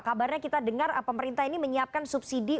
kabarnya kita dengar pemerintah ini menyiapkan subsidi